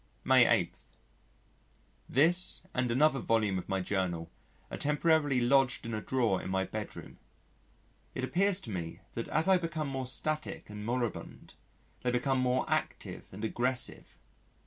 May 8. This and another volume of my Journal are temporarily lodged in a drawer in my bedroom. It appears to me that as I become more static and moribund, they become more active and aggressive.